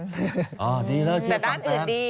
อ๋อดีแล้วเชื่อฟังแฟนแต่ด้านอื่นดี